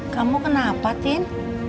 kamu kenapa tin